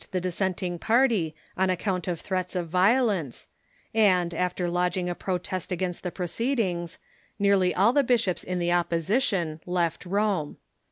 THE OLD CATHOLICS 399 party on account of throats of violence, and, after lodgfing a protest against the proceedings, nearly all the bishops in the opposition left Rome.